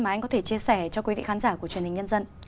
mà anh có thể chia sẻ cho quý vị khán giả của truyền hình nhân dân